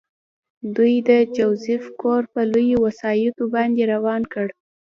دوی د جوزف کور په لویو وسایطو باندې وران کړ